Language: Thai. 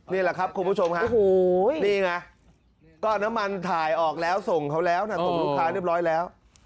นี่แหละครับคุณผู้ชมครับนี่ไงก็น้ำมันถ่ายออกแล้วส่งเขาแล้วนะส่งลูกค้าเรียบร้อยแล้ว